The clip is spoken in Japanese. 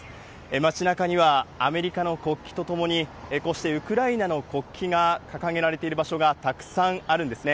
街なかにはアメリカの国旗とともに、こうしてウクライナの国旗が掲げられている場所がたくさんあるんですね。